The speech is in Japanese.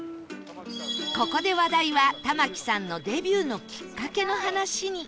ここで話題は玉木さんのデビューのきっかけの話に